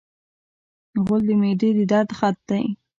غول د معدې د درد خط دی.